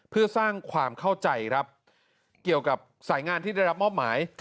เพื่อสร้างความเข้าใจครับเกี่ยวกับสายงานที่ได้รับมอบหมาย